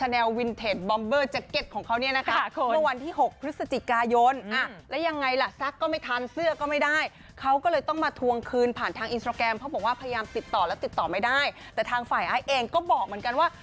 แต่ทางฝ่ายไอซ์เองก็บอกเหมือนกันว่า